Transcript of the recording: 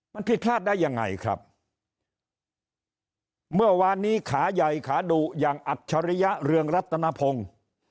มันผิดพลาดได้ยังไงครับเมื่อวานนี้ขาใหญ่ขาดุอย่างอัจฉริยะเรืองรัตนพงศ์